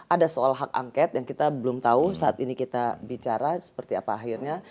ada soal hak angket yang kita belum tahu saat ini kita bicara seperti apa akhirnya